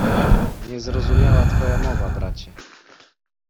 Niezrozumiała twoja mowa, bracie.